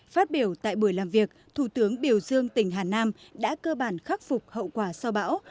phát biểu tại buổi làm việc thủ tướng biểu dương tỉnh hà nam đã cơ bản khắc phục hậu quả sau bão